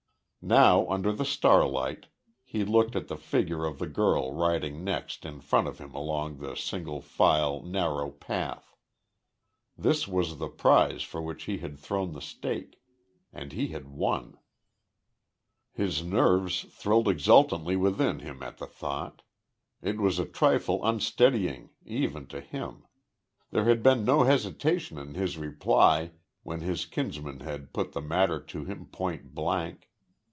Now, under the starlight, he looked at the figure of the girl riding next in front of him along the single file, narrow path. This was the prize for which he had thrown the stake and he had won. His nerves thrilled exultantly within him at the thought. It was a trifle unsteadying even to him. There had been no hesitation in his reply when his kinsman had put the matter to him point blank.